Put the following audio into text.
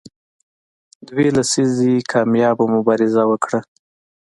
دوه لسیزې کامیابه مبارزه وکړه.